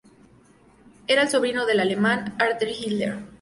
Era el sobrino del alemán Arthur Hiller.